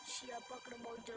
siapa kena mau jempol